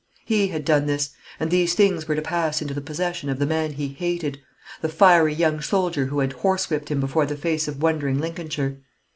He had done this, and these things were to pass into the possession of the man he hated, the fiery young soldier who had horsewhipped him before the face of wondering Lincolnshire.